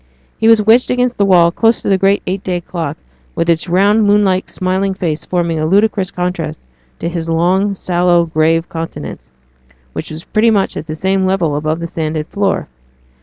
He was wedged against the wall, close to the great eight day clock, with its round moon like smiling face forming a ludicrous contrast to his long, sallow, grave countenance, which was pretty much at the same level above the sanded floor.